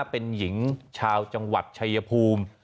เป็นหญิงชาวจังหวัดชายภูมิ